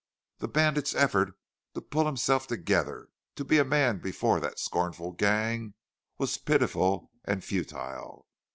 The bandit's effort to pull himself together, to be a man before that scornful gang, was pitiful and futile.